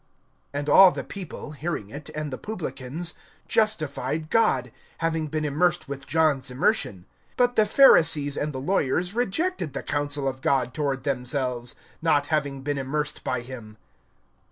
(29)And all the people, hearing it, and the publicans, justified God, having been immersed with John's immersion. (30)But the Pharisees and the lawyers rejected the counsel of God toward themselves, not having been immersed by him.